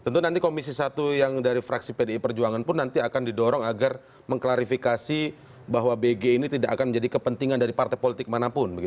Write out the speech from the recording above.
tentu nanti komisi satu yang dari fraksi pdi perjuangan pun nanti akan didorong agar mengklarifikasi bahwa bg ini tidak akan menjadi kepentingan dari partai politik manapun